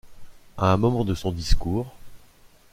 à un moment de son discours.